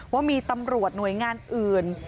ว่ามีตำรวจหน่วยงานอื่น